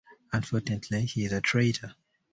Unfortunately, he is a traitor.